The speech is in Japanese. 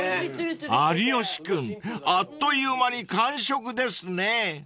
［有吉君あっという間に完食ですね］